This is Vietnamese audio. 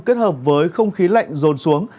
kết hợp với không khí lạnh rôn xuống